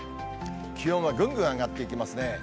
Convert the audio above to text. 気温はぐんぐん上がっていきますね。